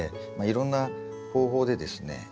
いろんな方法でですね